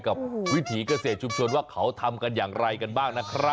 กับวิถีเกษตรชุมชวนว่าเขาทำกันอย่างไรกันบ้าง